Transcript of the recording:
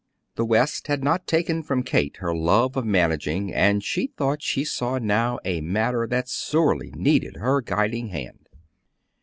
The West had not taken from Kate her love of managing, and she thought she saw now a matter that sorely needed her guiding hand.